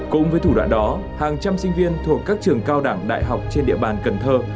cùng với thủ đoạn đó hàng trăm sinh viên thuộc các trường cao đẳng đại học trên địa bàn cần thơ